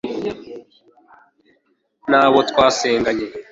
nabo twasenganye